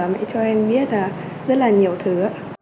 mẹ cho em biết rất là nhiều thứ